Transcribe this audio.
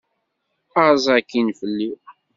Aẓ akkin fell-i!